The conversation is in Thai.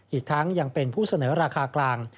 อีกทั้งยังเป็นผู้เสนอราคากลาง